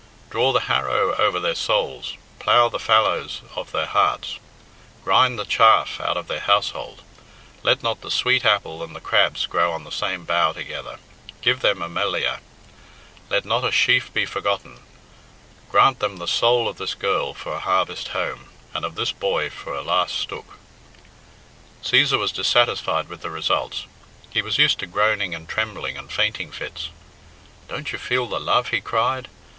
Draw the harrow over their souls, plough the fallows of their hearts, grind the chaff out of their household, let not the sweet apple and the crabs grow on the same bough together, give them a Melliah, let not a sheaf be forgotten, grant them the soul of this girl for a harvest home, and of this boy for a last stook. Cæsar was dissatisfied with the results. He was used to groaning and trembling and fainting fits. "Don't you feel the love?" he cried.